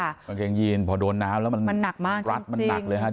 ังเรียงยืนเพราะโดนน้ำแล้วมันหนักมากจริมจริง